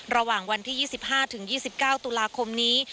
ระหว่างวันที่๒๕๒๙ตุลาคมนี้